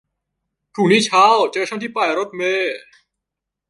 พรุ่งนี้เช้าเจอฉันที่ป้ายรถเมล์